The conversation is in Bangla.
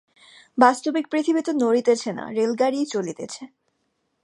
বাস্তবিক পৃথিবী তো নড়িতেছে না, রেলগাড়ীই চলিতেছে।